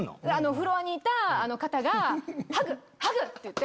フロアにいた方が「ハグハグ！」って言って。